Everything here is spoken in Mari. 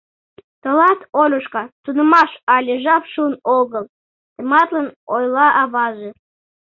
— Тылат, Олюшка, тунемаш але жап шуын огыл, — тыматлын ойла аваже.